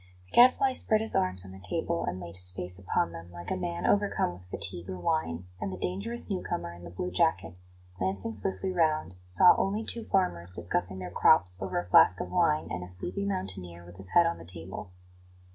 The Gadfly spread his arms on the table, and laid his face upon them, like a man overcome with fatigue or wine; and the dangerous new comer in the blue jacket, glancing swiftly round, saw only two farmers discussing their crops over a flask of wine and a sleepy mountaineer with his head on the table.